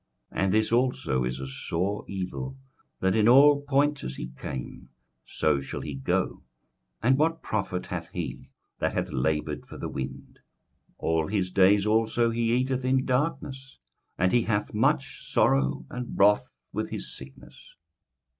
21:005:016 And this also is a sore evil, that in all points as he came, so shall he go: and what profit hath he that hath laboured for the wind? 21:005:017 All his days also he eateth in darkness, and he hath much sorrow and wrath with his sickness.